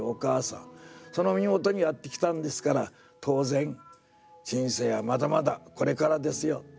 その耳元にやって来たんですから当然人生はまだまだこれからですよ。